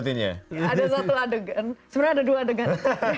ada satu adegan sebenarnya ada dua adegan